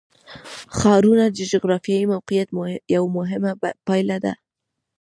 ښارونه د جغرافیایي موقیعت یوه مهمه پایله ده.